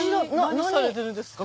何されてるんですか？